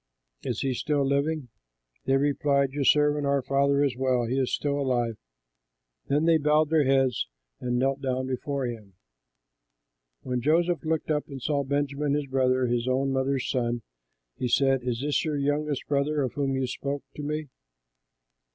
Is he still living?" They replied, "Your servant, our father, is well; he is still alive." Then they bowed their heads and knelt down before him. When Joseph looked up and saw Benjamin his brother, his own mother's son, he said, "Is this your youngest brother of whom you spoke to me?"